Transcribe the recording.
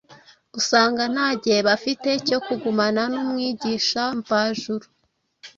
Usanga nta gihe bafite cyo kugumana n’Umwigisha mvajuru.